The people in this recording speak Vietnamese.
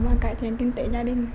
và cải thiện kinh tế gia đình